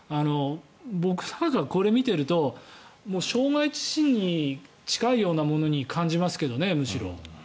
僕がこれを見ていると傷害致死に近いようなものに感じますけどね、むしろ。